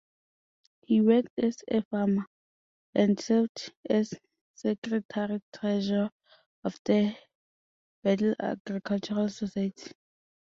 He worked as a farmer, and served as Secretary-Treasurer of the Birtle Agricultural Society.